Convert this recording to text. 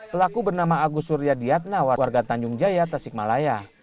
pelaku bernama agus surya diyatna warga tanjung jaya tasikmalaya